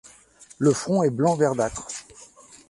Le front est blanc verdâtre.